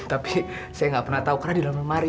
tapi saya nggak pernah tahu karena di dalam lemari